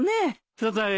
サザエ